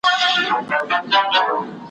چي ملګري تاته ګران وه هغه ټول دي زمولېدلي ,